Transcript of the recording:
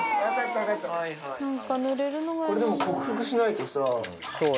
これでも克服しないとさ。